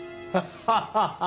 ハハハハハ。